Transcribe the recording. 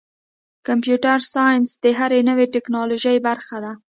کمپیوټر ساینس د هرې نوې ټکنالوژۍ برخه ده.